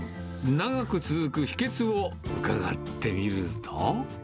長く続く秘けつを伺ってみると。